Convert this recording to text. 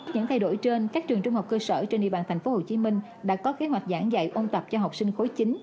những thay đổi trên các trường trung học cơ sở trên địa bàn tp hcm đã có kế hoạch giảng dạy ôn tập cho học sinh khối chín